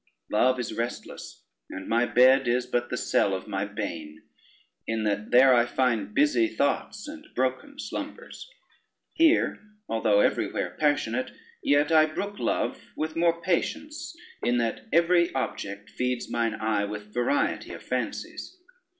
Love is restless, and my bed is but the cell of my bane, in that there I find busy thoughts and broken slumbers: here (although everywhere passionate) yet I brook love with more patience, in that every object feeds mine eye with variety of fancies.